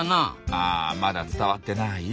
あまだ伝わってない？